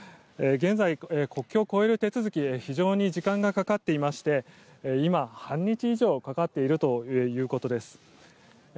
現在、国境を越える手続きに非常に時間がかかっていまして今、半日以上かかっているということです。